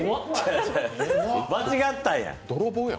間違ったんや。